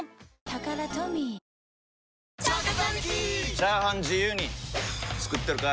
チャーハン自由に作ってるかい！？